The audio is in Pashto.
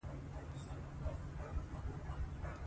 دوطن پرمختګ روح آراموي